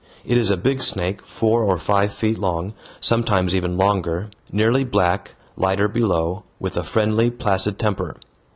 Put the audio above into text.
It is a big snake, four or five feet long, sometimes even longer, nearly black, lighter below, with a friendly, placid temper.